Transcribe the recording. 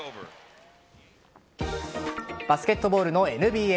バスケットボールのＮＢＡ。